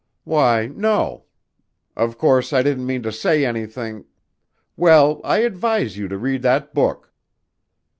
"Why, no. Of course, I didn't mean to say anything " "Well, I advise you to read that book."